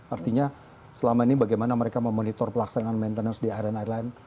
artinya selama ini bagaimana mereka memonitor pelaksanaan maintenance di airline airline